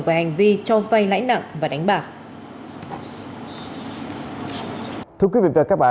về hành vi cho vay lãi nặng và đánh bạc